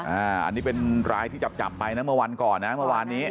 อันนี้เป็นรายที่จับไปนะเมื่อวันก่อนนะเมื่อวานนี้